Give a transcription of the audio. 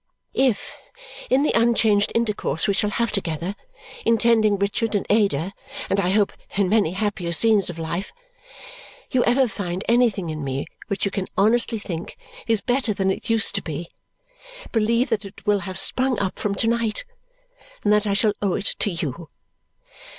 "If, in the unchanged intercourse we shall have together in tending Richard and Ada, and I hope in many happier scenes of life you ever find anything in me which you can honestly think is better than it used to be, believe that it will have sprung up from to night and that I shall owe it to you.